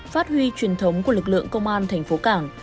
phát huy truyền thống của lực lượng công an thành phố cảng